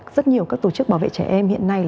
rất nhiều các tổ chức bảo vệ trẻ em hiện nay